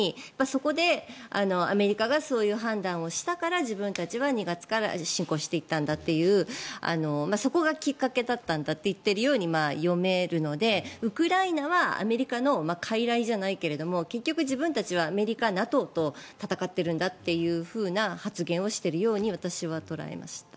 そこでアメリカがそういう判断をしたから自分たちは２月から侵攻していったんだというそこがきっかけだったんだと言っているように読めるのでウクライナはアメリカのかいらいじゃないけど結局、自分たちはアメリカ、ＮＡＴＯと戦ってるんだという発言をしているように私は捉えました。